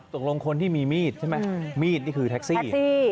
คนที่มีมีดใช่ไหมมีดนี่คือแท็กซี่